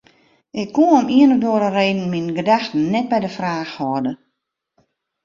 Ik koe om ien of oare reden myn gedachten net by de fraach hâlde.